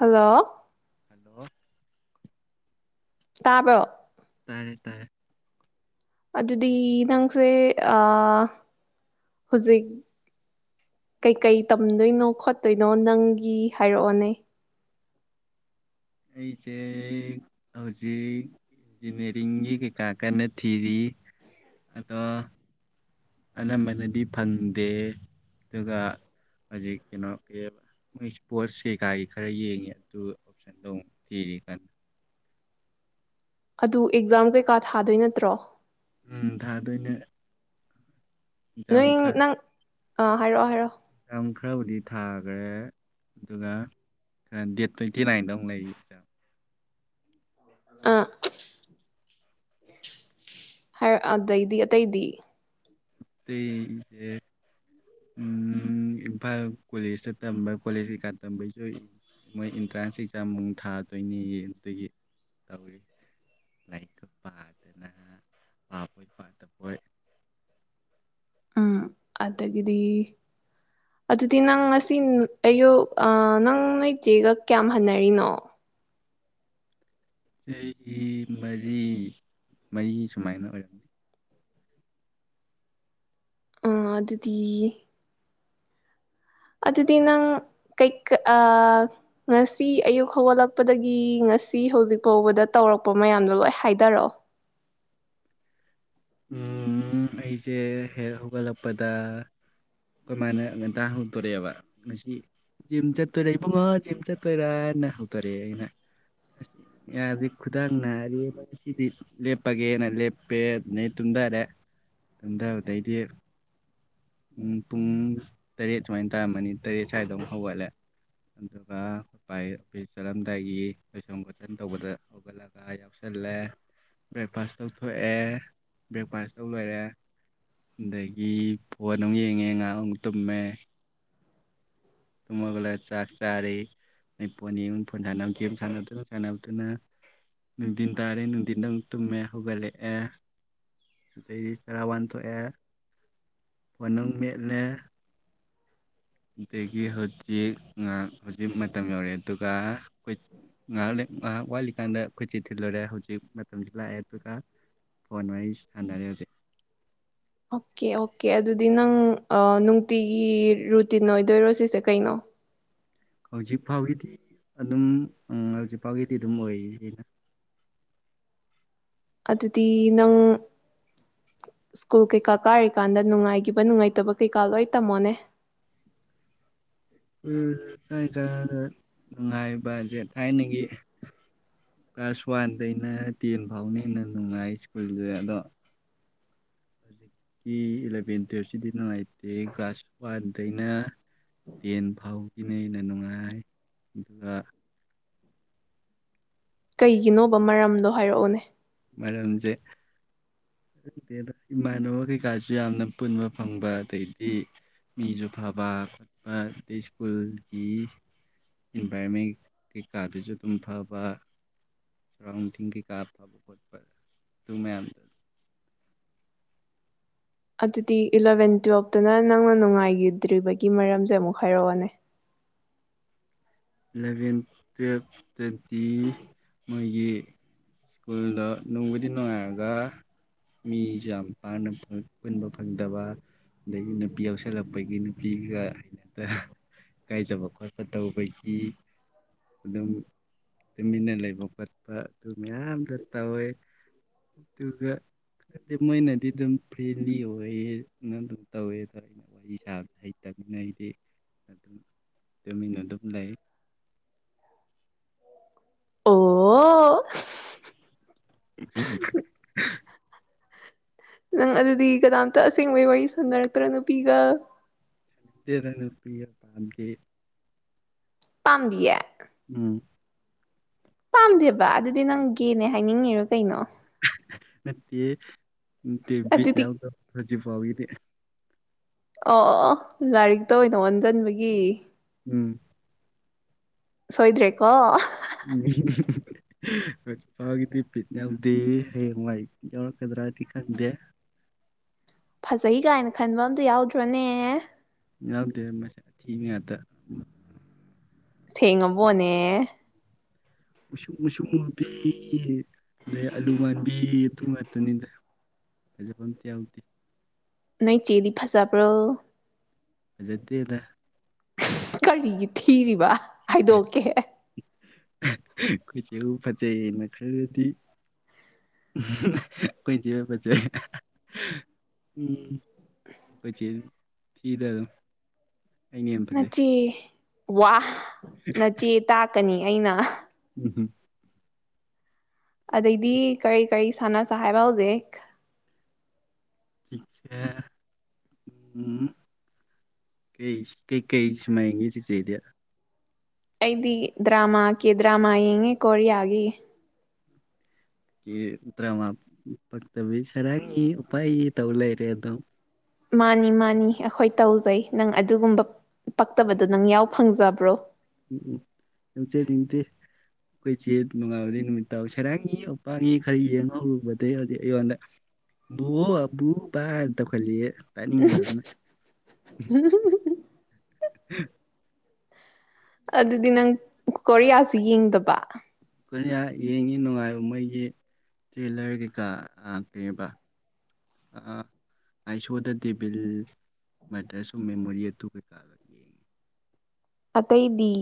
Hello hello ꯇꯥꯕ꯭ꯔꯣ ꯇꯥꯌꯦ ꯇꯥꯌꯦ ꯇꯨꯗꯤ ꯅꯪꯁꯦ ꯑꯥ ꯍꯨꯖꯤꯛ ꯀꯩꯀꯩ ꯇꯝꯗꯣꯏꯅꯣ ꯈꯣꯠꯇꯣꯏꯅꯣ ꯅꯪꯒꯤ ꯍꯥꯏꯔꯛ ꯑꯣꯅꯦ ꯑꯩꯖꯦ ꯍꯧꯖꯤꯛ ꯏꯟꯖꯤꯅꯦꯔꯤꯡꯒꯤ ꯀꯩꯀꯥ ꯀꯟꯅ ꯊꯤꯔꯤ ꯑꯗꯣ ꯑꯅꯝꯕꯅꯗꯤ ꯐꯪꯗꯦ ꯑꯗꯨꯒꯥ ꯍꯧꯖꯤꯛ ꯀꯩꯅꯣ ꯒꯤ ꯃꯣꯏ ꯏꯁꯄꯣꯔꯠꯁ ꯀꯩꯀꯥꯒꯤ ꯈꯔ ꯌꯦꯡꯉꯤ ꯑꯗꯨꯒ ꯑꯣꯞꯁꯟꯗꯨ ꯑꯃꯨꯛ ꯊꯤꯔꯤ ꯀꯟꯅ ꯑꯗꯨ ꯏꯀꯖꯥꯝ ꯀꯩꯀꯥ ꯊꯥꯗꯣꯏ ꯅꯠꯇ꯭ꯔꯣ ꯎꯝ ꯊꯥꯗꯣꯏꯅꯦ ꯑꯦꯛꯖꯥꯝ ꯅꯣꯏꯡ ꯈꯔ ꯅꯪ ꯑꯥ ꯍꯥꯏꯔꯣ-ꯍꯥꯏꯔꯣ ꯎꯝ ꯈꯔꯕꯨꯗꯤ ꯊꯥꯒ꯭ꯔꯦ ꯑꯗꯨꯒ ꯈꯔ ꯗꯦꯠ ꯇꯋꯦꯟꯇꯤ-ꯅꯥꯏꯅꯗ ꯑꯃꯨꯛ ꯂꯩꯔꯤ ꯏꯀꯖꯥꯝ ꯑ [unintelligible] ꯍꯥꯏꯔꯛ ꯑꯗꯩꯗꯤ ꯑꯇꯩꯗꯤ ꯑꯇꯩꯖꯦ ꯎꯝ ꯏꯝꯐꯥꯜ ꯀꯣꯂꯦꯁꯇ ꯇꯝꯕ ꯀꯣꯂꯦꯁ ꯀꯩꯀꯥ ꯇꯝꯕꯩꯖꯨ ꯃꯣꯏ ꯏꯟꯇ꯭ꯔꯥꯁ ꯏꯀꯖꯥꯝ ꯑꯃꯨꯛ ꯊꯥꯗꯣꯏꯅꯤꯌꯦ ꯑꯗꯒꯤ ꯇꯧꯔꯤ ꯂꯥꯌꯔꯤꯛꯀ ꯄꯥꯗꯅ ꯄꯥꯕꯣꯏ ꯄꯥꯗꯕꯣꯏ ꯎꯝ ꯑꯗꯒꯤꯗꯤ ꯑꯗꯨꯗꯤ ꯅꯪ ꯉꯁꯤ ꯑꯌꯨꯛ ꯑ ꯅꯪ ꯅꯣꯏꯆꯦꯒ ꯀꯌꯥꯝ ꯍꯟꯅꯔꯤꯅꯣ ꯆꯍꯤ ꯃꯔꯤ ꯃꯔꯤ ꯁꯨꯃꯥꯏꯅ ꯑꯣꯏꯔꯝꯅꯤ ꯎꯝ ꯑꯗꯨꯗꯤ ꯑꯗꯨꯗꯤ ꯅꯪ ꯉꯁꯤ ꯑꯌꯨꯛ ꯍꯧꯒꯠꯂꯛꯄꯗꯒꯤ ꯉꯁꯤ ꯍꯧꯖꯤꯛ ꯐꯥꯎꯕꯥꯗ ꯇꯧꯔꯛꯄꯥ ꯃꯌꯥꯝꯗꯣ ꯂꯣꯏ ꯍꯥꯏꯗꯔꯛ ꯑꯣ ꯎꯝꯝꯝꯝꯝ ꯑꯩꯖꯦ ꯍꯦꯛ ꯍꯧꯒꯠꯂꯛꯄꯗ ꯑꯩꯈꯣꯏꯃꯅꯥ ꯉꯟꯇꯥ ꯍꯧꯗꯣꯔꯛ ꯑꯦꯕꯥ ꯖꯤꯝ ꯆꯠꯇꯣꯏꯔꯥ ꯏꯕꯨꯡꯉꯣ ꯖꯤꯝ ꯆꯠꯇꯣꯏꯔꯅꯥ ꯍꯧꯗꯣꯔꯛ ꯑꯦ ꯑꯗꯩꯩ ꯇꯨꯝꯗꯔꯦ ꯇꯨꯝꯗꯕꯗꯩꯩꯗꯤ ꯎꯝ ꯄꯨꯡ ꯇꯔꯦꯠ ꯁꯨꯃꯥꯏ ꯇꯔꯝꯃꯅꯤ ꯇꯥꯔꯦꯠ ꯁꯋꯥꯏꯗ ꯑꯃꯨꯛ ꯍꯧꯒꯠꯂꯦ [inaudible] ꯌꯥꯎꯁꯤꯟꯂꯦ ꯕꯔ꯭ꯦꯛꯐꯥꯁ ꯇꯧꯊꯣꯛꯑꯦ ꯕꯔ꯭ꯦꯛꯐꯥꯁ ꯇꯣꯏꯂꯣꯏꯔꯦ ꯑꯗꯩꯒꯤ ꯐꯣꯟ ꯑꯃꯨꯛ ꯌꯦꯡꯉꯦ꯫ ꯉꯥꯛ ꯑꯃꯨꯛ ꯇꯨꯃꯦ ꯇꯨꯝ ꯍꯧꯒꯠꯂꯒ ꯆꯥꯛ ꯆꯔꯦ ꯐꯣꯟ ꯌꯦꯡꯉꯦ ꯒꯦꯝ ꯁꯥꯟ ꯅꯥꯟꯗꯨꯅ ꯁꯥꯟꯅꯕꯗꯨꯅ ꯅꯨꯡꯊꯤꯟ ꯇꯥꯔꯦ ꯅꯨꯡꯊꯤꯟꯗ ꯑꯃꯨꯛ ꯇꯨꯃꯦ ꯍꯧꯒꯠꯂꯛꯑꯦ ꯑꯗꯩꯩ ꯆꯔꯥ ꯋꯥꯟꯊꯣꯛ ꯑꯦ ꯐꯣꯟ ꯑꯃꯨꯛ ꯃꯦꯠꯂꯦ ꯑꯗꯩꯒꯤ ꯍꯧꯖꯤꯛ ꯉꯍꯥꯛ ꯃꯥꯇꯝ ꯌꯧꯔꯛ ꯑꯦ ꯉꯍꯥꯛ ꯋꯥꯠꯂꯤ ꯀꯥꯟꯗ ꯑꯩꯈꯣꯏꯆꯦ ꯊꯤꯟꯂꯨꯔꯦ ꯍꯧꯖꯤꯛ [inaudible] ꯐꯣꯟ ꯋꯥꯔꯤ ꯁꯅꯔꯦ ꯍꯧꯖꯤꯛ ꯑꯣꯛꯀꯦ ꯑꯣꯀꯀꯦ ꯑꯗꯨꯗꯤ ꯅꯪ ꯅꯨꯡꯇꯤꯒꯤ ꯔꯨꯇꯤꯟ ꯑꯣꯏꯗꯣꯏꯔꯣ ꯀꯩꯅꯣ ꯍꯧꯖꯤꯛꯐꯥꯎꯒꯤꯗꯤ ꯑꯗꯨꯝ ꯎꯝ ꯑꯗꯨꯝ ꯑꯣꯏꯔꯤ ꯑꯗꯨꯗꯤ ꯅꯪ ꯁꯀꯨꯜ ꯀꯩꯀꯥ ꯀꯔꯤ ꯀꯥꯟꯗ ꯅꯨꯡꯉꯥꯏꯒꯤꯕꯥ ꯅꯨꯡꯉꯥꯏꯇꯥꯕꯥ ꯀꯩꯀ ꯂꯣꯏ ꯇꯥꯃꯛ ꯑꯣꯅꯦ ꯎꯝ ꯅꯨꯡꯉꯏꯒꯤꯕꯥꯖꯦ ꯊꯥꯏꯅꯒꯤ ꯀꯂ꯭ꯥꯁ ꯋꯥꯟ ꯗꯩꯩꯅꯥ ꯇꯦꯟ ꯐꯥꯎꯅꯥ ꯍꯦꯅꯥ ꯅꯨꯡꯉꯥꯏ ꯁꯀꯨꯜꯗ ꯑꯗꯨ ꯍꯧꯖꯤꯛꯀꯤ ꯑꯦꯂꯥꯕꯦꯟ ꯇꯨꯋꯦꯜꯞ ꯁꯦ ꯅꯨꯡꯉꯥꯏꯇꯦ ꯀꯂ꯭ꯥꯁ ꯋꯥꯟ ꯗꯩꯅ ꯇꯦꯟ ꯐꯥꯎꯅ ꯍꯦꯅꯥ ꯅꯨꯡ ꯉꯥꯏ ꯑꯗꯨꯒꯥ ꯀꯩꯒꯤꯅꯣꯕꯥ ꯃꯔꯝꯗꯣ ꯍꯥꯏꯔꯛ ꯑꯣ ꯃꯔꯝꯖꯦ ꯈꯪꯗꯦꯗꯥ ꯏꯃꯥꯅꯕ ꯀꯩꯀꯁꯦ ꯌꯥꯝꯅꯥ ꯄꯨꯟꯕꯥ ꯐꯪꯕꯥ ꯑꯗꯩꯗꯤ ꯃꯤꯖꯨ ꯐꯕꯥ ꯑꯗꯩ ꯁꯀ꯭ꯨꯜꯒꯤ ꯏꯟ ꯕꯥꯏꯔꯣꯟꯃꯦꯟꯠ ꯀꯩꯀꯗꯨꯁꯨ ꯑꯗꯨꯝ ꯐꯕꯥ ꯁꯥꯔꯥꯎꯟꯗꯤꯡ ꯀꯩꯀꯥ ꯐꯕꯥ ꯈꯣꯠꯄ ꯑꯗꯨ ꯃꯌꯥꯝꯗꯣ ꯑꯗꯨꯗꯤ ꯑꯦꯂꯦꯕꯦꯟ ꯇꯨꯋꯦꯞꯇꯨꯅ ꯅꯪꯅꯥ ꯅꯨꯡꯉꯥꯏꯒꯤꯗꯔ꯭ꯤꯕꯒꯤ ꯃꯔꯝꯁꯦ ꯑꯃꯨꯛ ꯍꯨꯔꯛ ꯎꯅꯦ ꯑꯦꯂꯦꯕꯦꯟ ꯇꯨꯋꯦꯞꯇꯗꯤ ꯃꯣꯏꯒꯤ ꯃꯣꯌꯒꯤ ꯁꯀꯨꯜ ꯗꯣ ꯅꯨꯡꯕꯨꯗꯤ ꯅꯨꯡꯉꯥꯏ ꯑꯗꯣ ꯃꯤꯖꯦ ꯌꯥꯝ ꯄꯥꯛꯅꯥ ꯄꯨꯅꯕꯥ ꯄꯨꯟꯗꯕ ꯑꯗꯩꯩ ꯅꯨꯄꯤ ꯌꯥꯎꯁꯤꯟꯂꯛꯄꯩ ꯅꯨꯄꯤꯗ ꯏꯀꯥꯏꯖꯕ ꯈꯣꯠꯄꯥ ꯇꯧꯕꯩꯅꯤ ꯑꯗꯨꯝ ꯇꯨꯃꯤꯟꯅꯥ ꯂꯩꯕꯥ ꯈꯣꯠꯄꯥ ꯑꯗꯨ ꯃꯌꯥꯝꯗꯣ ꯇꯧꯏ ꯑꯗꯨꯒꯥ ꯃꯣꯏꯅꯗꯤ ꯑꯗꯨꯝ ꯐꯔ꯭ꯦꯟꯂꯤ ꯑꯣꯏꯌꯦ [inaudible] ꯑꯗꯣ ꯋꯥꯔꯤ ꯁꯥꯕ ꯍꯩꯇꯕꯅꯤꯅꯥ ꯑꯩꯗꯤ ꯇꯨꯃꯤꯟꯅꯥ ꯂꯩꯌꯦ ꯑꯣꯑꯣ [inaudible] ꯅꯪ ꯑꯗꯨꯗꯤ ꯀꯅꯥꯝꯇꯥ ꯑꯁꯦꯡꯕꯩ ꯋꯥꯔꯤ ꯁꯅꯥꯔꯛꯇꯔꯣ ꯅꯨꯄꯤꯒꯥ ꯁꯅꯥꯔꯛꯇꯦꯗꯥ ꯅꯨꯄꯤꯒꯥ ꯄꯥꯝꯗꯦ ꯄꯥꯝꯗꯤꯌꯦ ꯎꯝ ꯄꯝꯗꯦꯕꯥ ꯑꯗꯨꯗꯤ ꯅꯪ ꯒꯦ ꯅꯦ ꯍꯥꯏꯅꯤꯡꯉꯤꯔꯣ ꯀꯔꯤꯅꯣ ꯅꯠꯇꯤꯌꯦ ꯅꯠꯇꯦ ꯕꯤꯠ ꯑꯗꯨꯗꯤ ꯌꯥꯎꯗꯕ ꯍꯧꯖꯤꯛꯐꯥꯎꯒꯤꯗꯤ ꯑꯣ ꯑꯣ ꯂꯥꯏꯔꯤꯛꯇ ꯑꯣꯏꯅꯥ ꯑꯣꯟꯖꯤꯟꯕꯒꯤ ꯎꯝ ꯁꯣꯏꯗꯔ꯭ꯦꯀꯣ ꯍꯧꯖꯤꯛꯐꯥꯎꯕꯥꯒꯤꯗꯤ ꯕꯤꯠ ꯌꯥꯎꯗꯦ ꯍꯌꯦꯡꯋꯥꯏ ꯕꯤꯠ ꯌꯥꯎꯔꯛꯀꯗꯔꯥ ꯈꯪꯗꯦ ꯐꯖꯩ ꯀꯥꯏꯅꯥ ꯈꯟꯕꯥ ꯑꯝꯇ ꯌꯥꯎꯗꯔꯣꯅꯦ ꯌꯥꯎꯗꯦ ꯃꯁꯛ ꯑꯊꯤꯕꯤ ꯉꯥꯛꯇꯥ ꯁꯦꯡꯉꯥꯕꯣꯅꯦ ꯃꯨꯁꯨꯛ ꯃꯨꯁꯨꯛ ꯃꯨꯕꯤ ꯑꯥꯂꯨ ꯃꯥꯟꯕꯤ ꯑꯗꯨ ꯉꯥꯛꯇꯅꯦ ꯐꯖꯕ ꯑꯃꯇꯥ ꯌꯥꯎꯗꯦ ꯅꯣꯏꯆꯦꯗꯤ ꯐꯖꯕꯔꯣ ꯐꯖꯗꯦꯗꯥ ꯀꯔꯤꯒꯤ ꯊꯤꯔꯤꯕꯥ ꯍꯥꯏꯗꯣꯛꯀꯦ ꯑꯩꯈꯣꯏꯆꯦꯕꯨ ꯐꯖꯩ ꯈꯜꯂꯗꯤ [inaudible] ꯑꯩꯈꯣꯏ꯫ꯆꯦꯕꯨ ꯐꯖꯩ ꯑꯩꯈꯣꯏꯆꯦ ꯊꯤꯗ ꯑꯗꯨꯝ ꯑꯩꯅ ꯍꯦꯟꯅ ꯐꯖꯩ ꯅꯆꯦ ꯋꯥ ꯅꯆꯦ ꯇꯥꯛ ꯀꯅꯤ ꯑꯩꯅ [unintelligible] ꯑꯗꯩꯗꯤ ꯀꯔꯤ ꯀꯔꯤ ꯁꯥꯟꯅꯁꯦ ꯍꯥꯏꯕ ꯍꯧꯖꯤꯛ ꯆꯤꯆꯦ ꯎꯝ ꯀꯩꯁ ꯀꯩꯀꯩ ꯁꯤꯃꯥ ꯌꯦꯡꯒꯦ ꯆꯦꯆꯦꯗꯤ꯫ ꯑꯩꯗꯤ ꯗ꯭ꯔꯥꯃ ꯀꯦꯗ꯭ꯔꯥ ꯌꯦꯡꯉꯤ ꯀꯣꯔꯤꯌꯥꯒꯤ꯫ ꯌꯦ ꯗ꯭ꯔꯥꯃ ꯄꯛꯇꯕꯤ ꯁꯔꯥꯡꯉꯦ ꯎꯨꯄꯥꯌꯦ ꯇꯧ ꯂꯩꯔꯦ ꯑꯗꯨꯝ꯫ ꯃꯥꯅꯤ ꯃꯥꯅꯤ ꯑꯩꯈꯣꯏ ꯇꯧꯖꯩ ꯅꯪ ꯑꯗꯨꯒꯨꯝꯕ ꯄꯛꯇꯕꯗꯣ ꯅꯪ ꯌꯥꯎ ꯐꯪꯖꯕꯔꯣ꯫ ꯌꯥꯎꯖꯅꯤꯡꯗꯦ ꯑꯩꯈꯣꯏ ꯆꯦ ꯅꯣꯡꯉꯥꯟꯕꯗꯒꯤ ꯅꯨꯃꯤꯠ ꯇꯥꯕꯐꯥꯎ ꯁꯥꯔꯥꯡꯉꯦ ꯎꯄꯥꯌꯦ ꯈꯔ ꯌꯦꯡ ꯍꯧꯔꯨꯕꯗꯒꯤ ꯍꯧꯖꯤꯛ ꯑꯩꯉꯣꯟꯗ ꯕꯣ ꯕꯨ ꯕ ꯇꯧꯍꯠꯂꯛꯑꯦ ꯇꯥꯅꯤꯡꯗꯕꯅ꯫ [unintelligible] [unintelligible] ꯑꯗꯨꯗꯤ ꯅꯪ ꯀꯣ ꯀꯣꯔꯤꯌꯥꯁꯨ ꯌꯦꯡꯗꯕ꯫ ꯀꯣꯔꯤꯌꯥ ꯌꯦꯡꯉꯤ ꯅꯨꯡꯉꯥꯇꯕ ꯃꯣꯏꯒꯤ ꯊꯔꯤꯂꯔ ꯀꯩꯀꯥ ꯑ ꯀꯩꯕ ꯑ ꯑꯥꯏ ꯁꯣ ꯗ ꯗꯤꯕꯤꯜ ꯃꯦꯇꯔꯁ ꯑꯣꯞ ꯃꯦꯃꯣꯔꯤ ꯑꯗꯨ ꯀꯩꯀꯥ ꯌꯦꯡꯉꯤ꯫ ꯑꯇꯩꯗꯤ꯫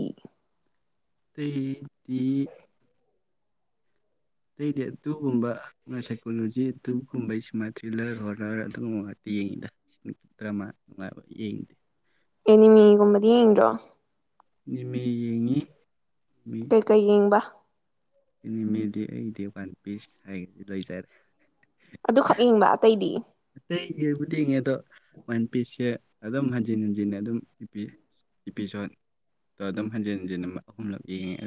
ꯑꯇꯩꯗꯤ ꯑꯇꯩꯗꯤ ꯑꯗꯨꯒꯨꯝꯕ ꯉ ꯁꯏꯀꯣꯂꯣꯖꯤ ꯗꯨꯒꯨꯝꯕꯩ ꯁꯤꯃꯥ ꯊꯔꯤꯂꯔ ꯍꯣꯔꯂ ꯑꯗꯨꯒꯨꯝꯕ ꯈꯛꯇ ꯌꯦꯡꯉꯤꯗ [unintelligible] ꯑꯦꯅꯤꯃꯦ ꯒꯨꯝꯕꯗꯤ ꯌꯦꯡꯗ꯭ꯔꯣ꯫ ꯑꯦꯅꯤꯃꯦ ꯌꯦꯡꯉꯤ꯫ ꯑꯦꯅꯤꯃꯦ ꯀꯩꯀꯩ ꯌꯦꯡꯕ꯫ ꯑꯦꯅꯤꯃꯦꯗꯤ ꯑꯩꯒꯤꯗꯤ ꯋꯥꯟ ꯄꯤꯁ ꯍꯥꯏꯒꯔꯗꯤ ꯂꯣꯏꯔꯦ꯫ ꯑꯗꯨ ꯈꯛ ꯌꯦꯡꯕ ꯑꯇꯩꯗꯤ ꯑꯇꯩ ꯌꯦꯡꯕꯨꯗꯤ ꯌꯦꯡꯉꯦ ꯑꯗꯣ ꯋꯥꯟ ꯄꯤꯁ ꯁꯦ ꯑꯗꯨꯝ ꯍꯟꯖꯤꯟ ꯍꯟꯖꯤꯟ ꯑꯗꯨꯝ ꯏꯄꯤ ꯏꯄꯤꯁꯣꯠ ꯇꯣ ꯍꯟꯖꯤꯡ ꯍꯟꯖꯤꯟ ꯑꯍꯨꯝꯂꯛ ꯌꯦꯡꯉꯦ꯫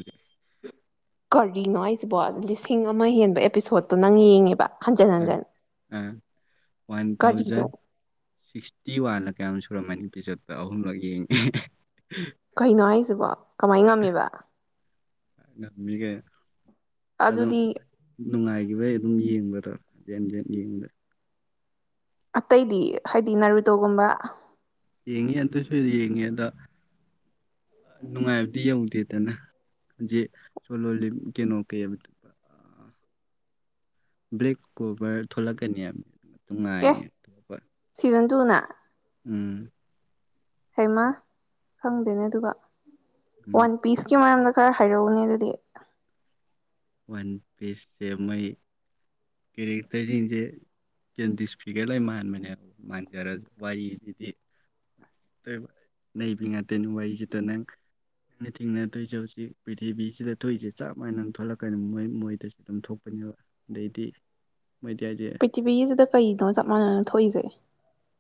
ꯀꯔꯤꯅꯣ ꯍꯥꯏꯖꯤꯕꯣ ꯑꯗꯨꯗꯤ ꯂꯤꯁꯤꯡ ꯑꯃ ꯍꯦꯟꯕ ꯏꯄꯤꯁꯣꯠꯇꯣ ꯅꯪ ꯌꯦꯡꯉꯤꯕ꯫ ꯎꯝ ꯎꯝ ꯋꯥꯟ ꯊꯥꯎꯖꯟ ꯀꯔꯤꯅꯣ ꯁꯤꯁ ꯊꯤꯋꯥꯅ ꯀꯌꯥꯝ ꯁꯨꯔꯝꯃꯅꯤ ꯏꯄꯤꯁꯣꯠꯇꯣ ꯑꯍꯨꯝ ꯂꯛ ꯌꯦꯡ ꯀꯩꯅꯣ ꯍꯥꯏꯖꯤꯕꯣ ꯀꯃꯥꯏ ꯉꯝꯃꯤꯕ꯫ ꯉꯝꯃꯤꯅꯤ ꯀꯩꯅꯣ꯫ ꯑꯗꯨꯝ ꯑꯗꯨꯗꯤ ꯅꯨꯡꯉꯥꯏꯒꯤꯕꯩ ꯑꯗꯨꯝ ꯌꯦꯡꯕꯗ꯫ [unintelligible] ꯑꯇꯩꯗꯤ ꯍꯥꯏꯗꯤ ꯅꯔꯨꯇꯣ ꯒꯨꯝꯕ꯫ ꯌꯦꯡꯉꯤ ꯑꯗꯨꯁꯨ ꯌꯦꯡꯉꯤ ꯑꯗꯣ ꯅꯨꯡꯉꯥꯏꯕꯗꯣ ꯌꯧꯗꯦꯗꯅ [unintelligible] ꯕꯂꯦꯛ ꯀꯣꯕꯔ ꯊꯣꯔꯛꯀꯅꯤ ꯍꯥꯏꯕꯅꯤ꯫ ꯑꯦ ꯅꯨꯉꯥꯢꯅꯦꯕ꯫ ꯁꯤꯖꯟ ꯇꯨꯅ ꯎꯝ꯫ ꯍꯩꯃꯥ ꯈꯪꯗꯦꯅꯦ ꯑꯗꯨꯒ ꯎꯝ ꯋꯥꯟ ꯄꯤꯁ ꯀꯤ ꯃꯔꯝꯗ ꯈꯔ ꯍꯥꯏꯔꯛ ꯎꯅꯦ ꯑꯗꯨꯗꯤ꯫ ꯋꯥꯟ ꯄꯤꯁꯁꯦ ꯃꯣꯏ ꯀꯦꯔꯦꯛꯇꯔ ꯖꯤꯡꯖꯦ ꯀꯦꯟ ꯗꯤꯁ ꯐꯤꯒꯔ ꯂꯣꯏ ꯃꯥꯟꯕꯅꯦꯕ ꯃꯥꯟꯖꯔꯁꯨ ꯋꯥꯔꯤꯖꯤꯗꯤ ꯑꯅꯩꯕꯤ ꯉꯥꯛꯇꯅꯤ ꯋꯥꯔꯤꯖꯤꯇ ꯅꯪ ꯅꯪꯅ ꯊꯦꯡꯅꯗꯣꯏꯖꯦ ꯍꯧꯖꯤꯛ ꯄ꯭ꯔꯤꯊꯤꯕꯤꯖꯤꯗ ꯊꯣꯛꯏꯖꯤ ꯆꯞ ꯃꯥꯟꯅ ꯊꯣꯛ ꯀꯩꯅꯣ ꯃꯣꯏ ꯃꯣꯏꯗꯁꯨ ꯑꯗꯨꯝ ꯊꯣꯛꯄꯅꯦꯕ ꯑꯗꯩꯗꯤ ꯃꯣꯏꯗꯤ ꯍꯥꯏꯁꯦ ꯄꯤꯇꯤꯕꯤꯁꯤꯗ ꯀꯩꯅꯣ ꯆꯞ ꯃꯥꯟꯅꯅ ꯊꯣꯛꯏꯁꯦ꯫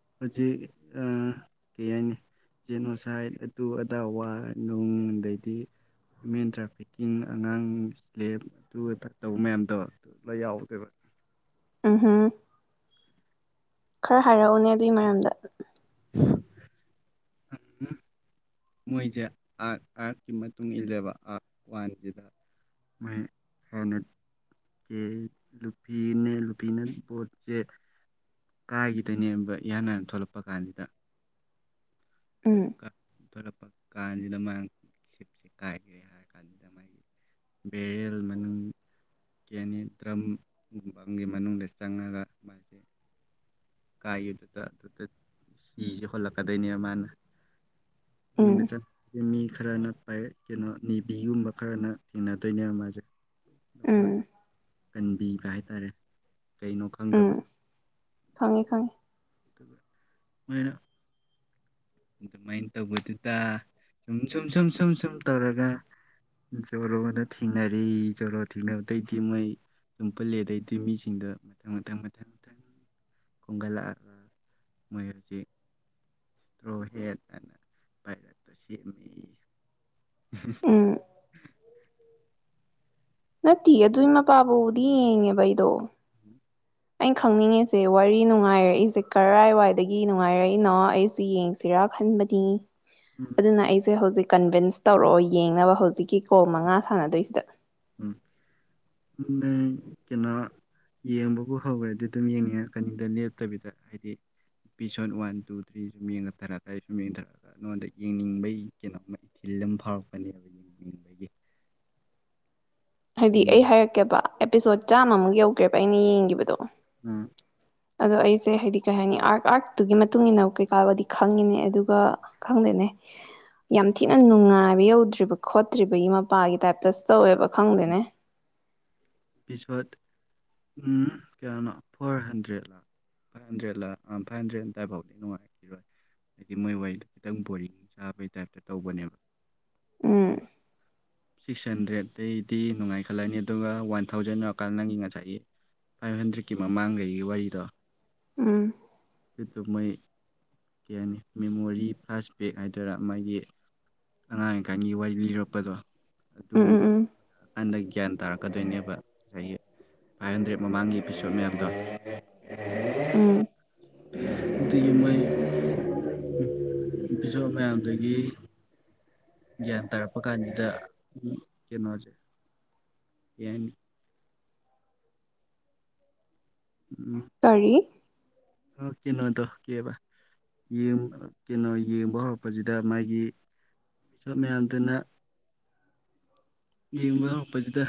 [unintelligible] ꯎꯍꯨꯝ ꯈꯔ ꯍꯥꯏꯔꯛꯎꯅꯦ ꯑꯗꯨꯏ ꯃꯔꯝꯗ [unintelligible] ꯎꯝ [unintelligible] [unintelligible] [unintelligible] [unintelligible] ꯎꯝ ꯈꯥꯥꯔꯥꯅ ꯐꯌꯦ ꯀꯦꯅꯣ ꯅꯤꯕꯤ ꯒꯨꯝꯕ ꯈꯔꯅ ꯊꯦꯡꯅꯗꯣꯏꯅꯦꯕ ꯃꯥꯁꯦ ꯑꯗꯣ ꯎꯝ ꯈꯔ ꯀꯟꯕꯤꯕ ꯍꯥꯏꯇꯥꯔꯦ ꯀꯩꯅꯣ ꯈꯪꯗꯕꯗꯣ ꯈꯪꯉꯦ-ꯈꯪꯉꯦ ꯃꯩꯔꯥ ꯑꯗꯨꯃꯥꯏ ꯇꯧꯕꯗꯨꯗ ꯁꯨꯝ-ꯁꯨꯝ-ꯁꯨꯝ-ꯁꯨꯝ ꯇꯧꯔꯒ ꯖꯣꯔꯣꯗ ꯊꯦꯡꯅꯔꯦ ꯖꯣꯔꯣ ꯊꯦꯡꯅꯕꯗꯒꯤ ꯃꯣꯏ ꯑꯗꯨꯝ ꯄꯨꯟꯂꯦ ꯑꯗꯩꯗꯤ ꯃꯤꯁꯤꯡꯗ ꯃꯊꯪ-ꯃꯊꯪꯗ ꯈꯣꯝꯒꯠꯂꯛꯑꯒ ꯃꯣꯏ ꯍꯧꯖꯤꯛ ꯎꯝ [inaudible] ꯅꯠꯇꯤꯌꯦ ꯑꯗꯨꯢ ꯃꯄꯥꯕꯨꯗꯤ ꯌꯦꯡꯉꯦꯕ ꯑꯩꯗꯣ [inaudible] ꯑꯩ ꯈꯪꯅꯤꯡꯉꯤꯁꯦ ꯋꯥꯔꯤ ꯅꯨꯡꯉꯥꯏꯔꯛꯏꯁꯦ ꯀꯔꯥꯏꯋꯥꯏꯗꯒꯤꯅꯣ ꯑꯩꯁꯨ ꯌꯦꯡꯁꯤꯔꯥ ꯈꯟꯕꯗꯤ ꯎꯝ ꯑꯗꯨꯅ ꯑꯩꯁꯦ ꯍꯧꯖꯤꯛ ꯀꯟꯚꯤꯟꯁ ꯇꯧꯔꯛꯑꯣ ꯌꯦꯡꯅꯕ ꯍꯧꯖꯤꯛꯀꯤ ꯀꯣꯜ ꯃꯉꯥ ꯁꯥꯟꯅꯗꯣꯏꯁꯤꯗ ꯎꯝ ꯅꯪ ꯀꯩꯅꯣ ꯌꯦꯡꯕꯕꯨ ꯍꯧꯒ꯭ꯔꯗꯤ ꯑꯗꯨꯝ ꯌꯦꯡꯅꯤꯡꯉꯛꯀꯅꯤꯗ ꯂꯦꯞꯇꯕꯤꯗ ꯍꯥꯏꯗꯤ ꯏꯄꯤꯁꯣꯠ ꯋꯥꯟ ꯇꯨ ꯊ꯭ꯔꯤ ꯁꯨꯝ ꯌꯦꯡꯉ ꯁꯨꯝ ꯌꯦꯡꯊꯔꯛꯄ ꯅꯪꯉꯣꯟꯗ ꯌꯦꯡꯅꯤꯡꯕꯩ ꯀꯩꯅꯣ ꯃ ꯏꯊꯤꯜ ꯑꯝ ꯐꯥꯎꯔꯛꯀꯅꯤꯕ ꯌꯦꯡꯅꯤꯡꯕꯒꯤ ꯍꯥꯏꯗꯤ ꯑꯩ ꯍꯥꯏꯔꯛꯀꯦꯕ ꯑꯦꯄꯤꯁꯣꯠ ꯆꯥꯝꯃ ꯃꯨꯛ ꯌꯧꯒ꯭ꯔꯦꯕ ꯑꯩꯅ ꯌꯦꯡꯒꯤꯕꯗꯣ ꯎꯝ ꯑꯗꯣ ꯑꯩꯁꯦ ꯍꯥꯏꯗꯤ ꯀꯩꯍꯥꯏꯅꯤ ꯑꯥꯛ ꯑꯥꯛ ꯇꯨꯡꯒꯤ ꯃꯇꯨꯝ ꯏꯟꯅ ꯀꯩꯀꯥ ꯕꯨꯗꯤ ꯈꯪꯉꯤꯅꯦ ꯑꯗꯨꯒ ꯈꯪꯗꯦꯅꯦ ꯌꯥꯝ ꯊꯤꯅ ꯅꯨꯡꯉꯥꯏꯕ ꯌꯧꯗ꯭ꯔꯤꯕ ꯈꯣꯠꯍ꯭ꯔꯤꯕꯩ ꯃꯄꯥꯒꯤ ꯇꯥꯏꯞ ꯇꯨꯡ ꯇꯧꯋꯦꯕ ꯈꯪꯗꯦꯅꯦ ꯏꯄꯤꯁꯣꯠ ꯎꯝ ꯀꯌꯥꯅꯣ ꯐꯣꯔ ꯍꯟꯗ꯭ꯔꯦꯠꯂ ꯐꯥꯏꯕ ꯍꯟꯗ꯭ꯔꯦꯠꯂ ꯑ ꯐꯦꯏꯕ ꯍꯟꯗ꯭ꯔꯦꯠ ꯑꯗꯥꯏꯕꯧꯗꯤ ꯅꯨꯡꯉꯥꯏ ꯍꯥꯏꯗꯤ ꯃꯣꯐ ꯋꯥꯔꯤꯗꯣ ꯈꯤꯇꯪ ꯕꯣꯔꯤꯡ ꯆꯥꯕꯩ ꯇꯥꯏꯞꯇ ꯇꯧꯕꯅꯦꯕ ꯎꯝ ꯑꯗꯨꯒ ꯁꯤꯛꯁ ꯍꯟꯗ꯭ꯔꯦꯠ ꯗꯩꯗꯤ ꯅꯨꯡꯉꯥꯏꯈꯠꯂꯛꯑꯅꯤ ꯑꯗꯨꯒ ꯋꯥꯟ ꯊꯥꯎꯖꯟ ꯌꯧꯔꯀꯥꯟ ꯅꯪꯒꯤ ꯉꯥꯁꯥꯏꯒꯤ ꯐꯥꯏꯕ ꯍꯟꯗ꯭ꯔꯦꯠꯀꯤ ꯃꯃꯥꯡ ꯒꯩꯒꯤ ꯋꯥꯔꯤꯗꯣ ꯎꯝ ꯑꯗꯨꯗꯣ ꯃꯣꯏ ꯀꯩ ꯍꯥꯏꯅꯤ ꯃꯦꯃꯣꯔꯤ ꯐ꯭ꯂꯥꯁꯕꯦꯛ ꯍꯥꯏꯗꯣꯏꯔ ꯃꯥꯒꯤ ꯑꯉꯥꯡ ꯑꯣꯏꯔꯤꯀꯥꯟꯒꯤ ꯋꯥꯔꯤ ꯂꯤꯔꯛꯄꯗꯣ ꯎꯝ ꯎꯝ ꯎꯝ ꯇꯟꯗꯩ ꯒ꯭ꯌꯥꯟ ꯇꯥꯔꯛꯀꯗꯣꯏꯅꯦꯕ ꯁꯥꯏꯒꯤ ꯑꯩꯠ ꯍꯟꯗ꯭ꯔꯦꯠ ꯃꯃꯥꯡꯒꯤ ꯑꯦꯄꯤꯁꯣꯠ ꯃꯌꯥꯝꯗꯣ ꯎꯝ ꯗꯨꯒꯤ ꯃꯣꯏ ꯏꯄꯤꯁꯣꯠ ꯃꯌꯥꯝꯗꯨꯒꯤ ꯒ꯭ꯌꯥꯟ ꯇꯥꯔꯛꯄ ꯀꯥꯟꯁꯤꯗ ꯀꯩꯅꯣꯁꯦ ꯀꯩ ꯍꯥꯏꯅꯤ ꯀꯔꯤ ꯎꯝ ꯀꯩꯅꯣꯗꯣ ꯀꯩꯑꯕ ꯌꯦꯡ ꯌꯦꯡꯕ ꯍꯧꯔꯛꯄ ꯁꯤꯗ ꯃꯥꯒꯤ ꯃꯌꯥꯝꯗꯨꯅ ꯌꯦꯡꯕ ꯍꯧꯔꯛꯄꯁꯤꯗ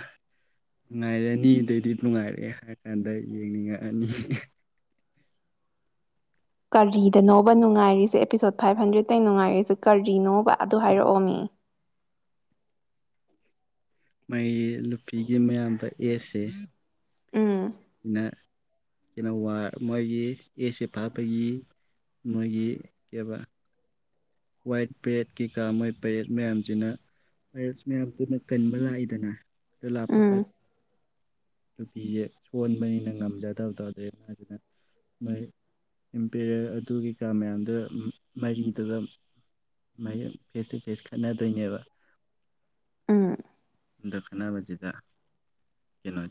ꯅꯨꯡꯉꯥꯏꯔꯅꯤ ꯑꯗꯩꯗꯤ ꯅꯨꯡꯉꯥꯏꯔꯛꯑꯦ ꯍꯥꯏ ꯀꯥꯟꯗ ꯌꯦꯡꯅꯤꯡꯉꯛꯑꯅꯤ ꯀꯔꯤꯗꯅꯣꯕ ꯅꯨꯉꯥꯏꯔꯤꯖ‌ꯦ ꯑꯦꯄꯤꯁꯣꯠ ꯐꯥꯏꯕ ꯍꯟꯗ꯭ꯔꯦꯠ ꯇꯩ ꯅꯨꯡꯉꯥꯏꯔꯤꯁꯦ ꯀꯔꯤꯅꯣꯕ ꯑꯗꯨ ꯍꯥꯏꯔꯛꯑꯣꯃꯤ ꯃꯤꯒꯤ ꯅꯨꯄꯤꯒꯤ ꯃꯌꯥꯝꯕ ꯑꯦꯁ ꯁꯦ ꯎꯝ ꯅ ꯀꯩꯅꯣ ꯋꯥꯔ ꯃꯣꯏꯒꯤ ꯑꯦꯁ ꯁꯦ ꯐꯥꯛꯄꯒꯤ ꯃꯣꯏꯒꯤ ꯀꯩꯌꯦꯕ ꯋꯥꯏꯠ ꯄꯦꯠ ꯀꯩꯀꯥ ꯃꯣꯏ ꯄꯦꯔꯠ ꯃꯌꯥꯝꯁꯤꯅ [unintelligible] ꯃꯌꯥꯝ ꯄꯨꯟꯅ ꯀꯟꯕ ꯂꯥꯛꯏꯗꯅ ꯑꯗꯣ ꯂꯥꯛꯄ ꯎꯝ ꯀꯥꯟ ꯅꯨꯄꯤꯁꯦ ꯁꯣꯟꯕꯅꯤꯅ ꯉꯝꯖꯗꯕꯗꯣ ꯑꯗꯩ ꯑꯃꯁꯤꯅ ꯏꯝꯄꯦꯔꯔ ꯑꯗꯨ ꯀꯩꯀꯥ ꯃꯌꯥꯝꯗ ꯃꯔꯤꯗꯨꯗ ꯃꯥꯒꯤ ꯐꯦꯁ ꯇꯨ ꯐꯦꯁ ꯈꯠꯅꯗꯣꯏꯅꯦꯕ ꯎꯝ ꯑꯗꯣ ꯈꯟꯅꯕꯖꯤꯗ ꯀꯩꯅꯣ